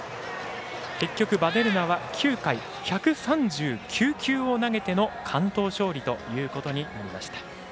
結局ヴァデルナは９回１３９球を投げての投げての完投勝利ということになりました。